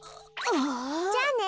じゃあね。